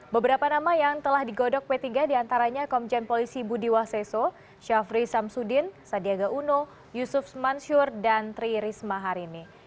beberapa nama yang telah digodok p tiga diantaranya komjen polisi budi waseso syafri samsudin sadiaga uno yusuf mansur dan tri risma hari ini